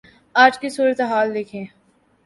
آج کی صورتحال دیکھیں۔